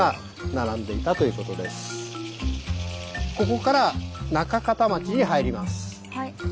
ここから仲片町に入ります。